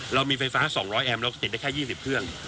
เรามีไฟฟ้าสองร้อยแอมเราติดได้แค่ยี่สิบเครื่อง